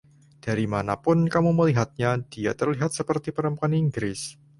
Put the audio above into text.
Dari manapun kamu melihatnya, dia terlihat seperti perempuan Inggris.